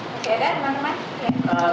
oke dan mas mas